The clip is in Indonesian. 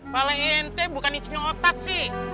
paling ente bukan ismi otak sih